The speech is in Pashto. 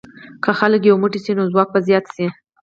که خلک یو موټی شي، نو ځواک به زیات شي.